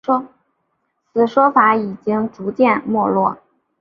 此说法已经逐渐没落。